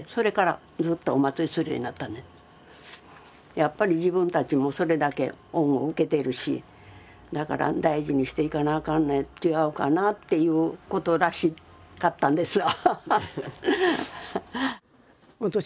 やっぱり自分たちもそれだけ恩を受けてるしだから大事にしていかなあかんねん違うかなっていうことらしかったんですわ。